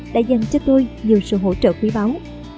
đã dành cho tôi nhiều sự hỗ trợ quý báu